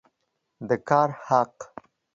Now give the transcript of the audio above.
د کار حق